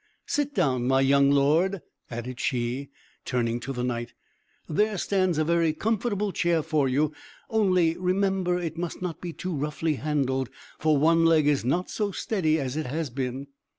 Sit down, my young lord," added she, turning to the Knight; "there stands a very comfortable chair for you; only remember it must not be too roughly handled, for one leg is not so steady as it has been."